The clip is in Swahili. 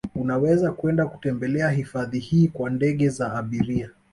Unaweza kwenda kutembelea hifadhi hii kwa ndege za abiria